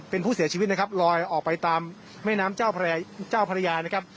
เป็นผู้เสียชีวิตนะครับลอยออกไปตามแม่น้ำเจ้าพระยานะครับ